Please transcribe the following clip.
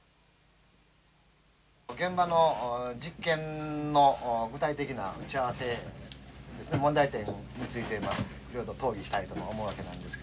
現場の実験の具体的な打ち合わせ問題点を見つけていろいろ討議したいと思うわけなんですけども。